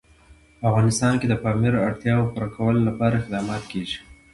په افغانستان کې د پامیر د اړتیاوو پوره کولو لپاره اقدامات کېږي.